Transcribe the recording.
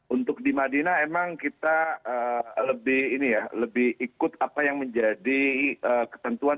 untuk di madinah memang kita lebih ikut apa yang menjadi ketentuan